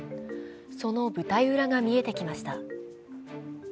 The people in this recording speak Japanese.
その舞台裏が見えてきました。